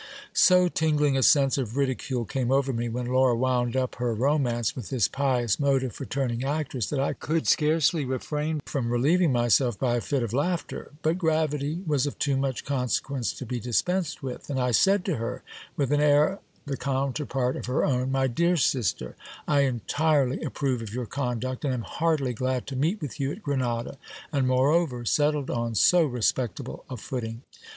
So tingling a sense of ridicule came over me, when Laura wound up her romance with this pious motive for turning actress, that I could scarcely refrain from relieving myself by a fit of laughter. But gravity was of too much conse quence to be dispensed with ; and I said to her with an air the counterpart of her own— My dear sister, I entirely approve of your conduct, and am heartily glad to meet with you at Grenada, and moreover settled on so respectable a footing.